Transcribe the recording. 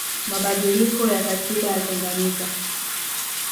mabadiliko ya katiba ya Tanganyika